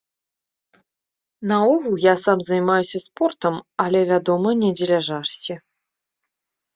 Наогул я сам займаюся спортам, але, вядома, не дзеля жарсці.